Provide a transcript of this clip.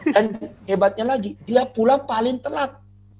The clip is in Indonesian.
dan hebatnya lagi dia pulang paling telat